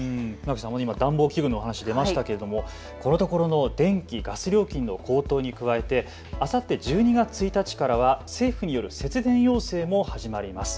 暖房器具の話が出ましたけれどこのところの電気、ガス料金の高騰に加えあさって１２月１日からは政府による節電要請も始まります。